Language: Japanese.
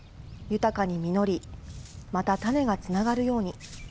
豊かに実り、また種がつながるように。